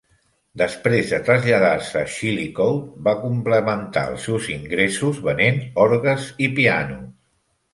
Després de traslladar-se a Chillicothe, va complementar els seus ingressos venent orgues i pianos.